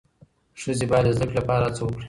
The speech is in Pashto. ښځې باید د زدهکړې لپاره هڅه وکړي.